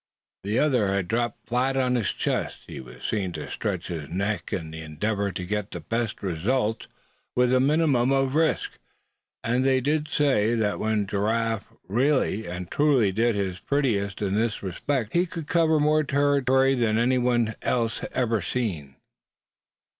The other had dropped flat on his chest. He was seen to stretch his neck in the endeavor to get the best results with a minimum of risk; and they did say that when Giraffe really and truly did his prettiest in this respect he could cover more territory than any one else ever seen.